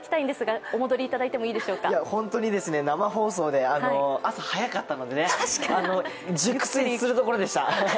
本当に生放送で朝早かったので、熟睡するところでした。